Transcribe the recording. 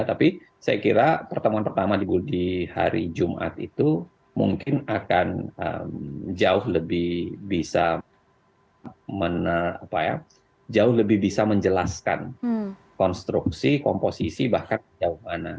tapi saya kira pertemuan pertama di hari jumat itu mungkin akan jauh lebih bisa menjelaskan konstruksi komposisi bahkan jawaban